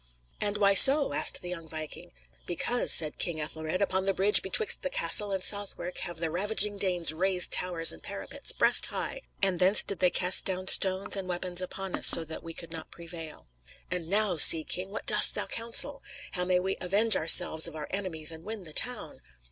"And why so?" asked the young viking. "Because," said King Ethelred, "upon the bridge betwixt the castle and Southwark have the ravaging Danes raised towers and parapets, breast high, and thence they did cast down stones and weapons upon us so that we could not prevail. And now, sea king, what dost thou counsel? How may we avenge ourselves of our enemies and win the town?"